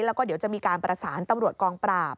แล้วก็เดี๋ยวจะมีการประสานตำรวจกองปราบ